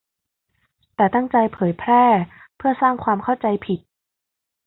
แต่ตั้งใจเผยแพร่เพื่อสร้างความเข้าใจผิด